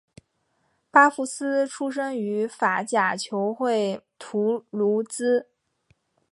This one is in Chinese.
巴夫斯出身于法甲球会图卢兹。